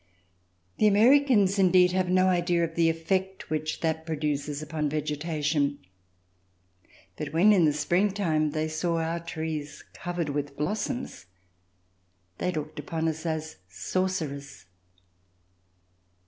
The Americans indeed have no idea of the effect which that produces upon vegetation; but when, in the springtime, they saw our trees covered with blossoms, they looked upon us as sorcerers.